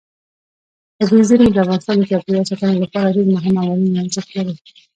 طبیعي زیرمې د افغانستان د چاپیریال ساتنې لپاره ډېر مهم او اړین ارزښت لري.